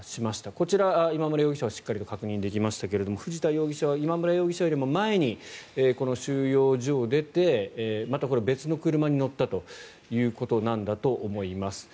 こちら、今村容疑者はしっかりと確認できましたが藤田容疑者は今村容疑者よりも前にこの収容所を出てまた別の車に乗ったということなんだと思います。